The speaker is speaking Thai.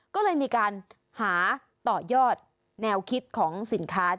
ก็เลยมีการหาต่อยอดแนวคิดของสินค้า